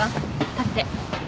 立って。